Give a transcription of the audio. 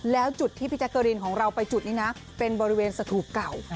แล้วจุดที่พี่แจ๊กเกอรีนของเราไปจุดนี้นะเป็นบริเวณสถูปเก่า